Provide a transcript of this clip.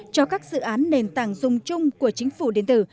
cho các dự án nền tảng dùng chung của chính phủ điện tử